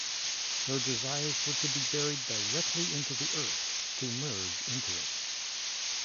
Her desires were to be buried directly in the earth to merge into it.